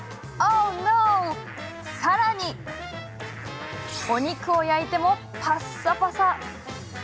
さらにお肉を焼いてもパッサパサ。